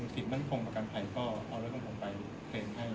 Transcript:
สิ่งบ้านพงฯประกันภัยก็เอารถพล่องไปเคลมให้